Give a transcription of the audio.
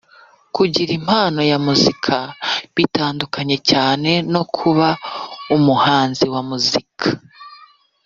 kugira impano ya muzika bitandukanye cyane no kuba umuhanzi wa muzika”